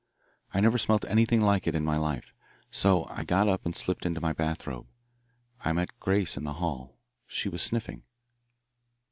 I never smelt anything like it in my life. So I got up and slipped into my bathrobe. I met Grace in the hall. She was sniffing.